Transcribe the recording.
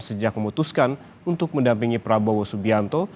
sejak memutuskan untuk mendampingi prabowo subianto